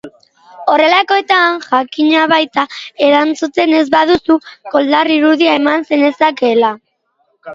Horrelakoetan jakina baita, erantzuten ez baduzu, koldar irudia eman zenezakeela.